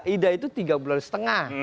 ida itu tiga bulan setengah